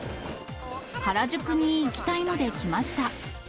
原宿に行きたいので来ました。